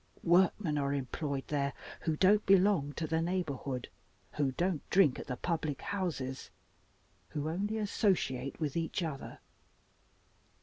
Workmen are employed there who don't belong to the neighborhood, who don't drink at the public houses, who only associate with each other.